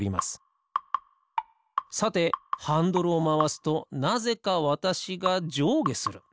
さてハンドルをまわすとなぜかわたしがじょうげする。